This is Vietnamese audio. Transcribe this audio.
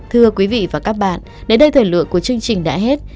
thưa quý vị và các bạn đến đây thời lượng của chương trình đã hết